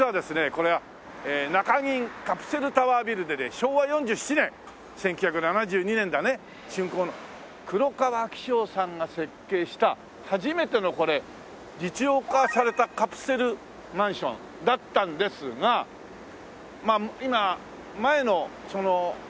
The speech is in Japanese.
これは中銀カプセルタワービルでね昭和４７年１９７２年だね竣工の黒川紀章さんが設計した初めての実用化されたカプセルマンションだったんですがまあ今前のサイコロみたいなの映ってるかな？